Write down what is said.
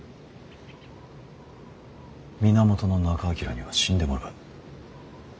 源仲章には死んでもらう。